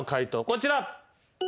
こちら。